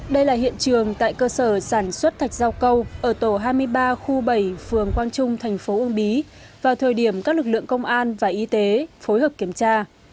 đây là hiện trường tại cơ sở sản xuất thạch rau câu ở tổ hai mươi ba khu bảy phường quang trung tp ub vào thời điểm các lực lượng công an và y tế phối hợp kiểm tra